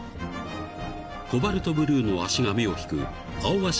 ［コバルトブルーの足が目を引くアオアシ